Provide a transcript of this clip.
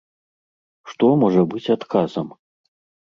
Што можа быць адказам?